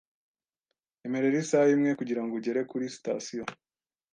Emerera isaha imwe kugirango ugere kuri sitasiyo .